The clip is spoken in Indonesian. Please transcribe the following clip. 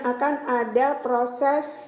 akan ada proses